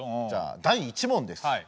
じゃあ第１問です。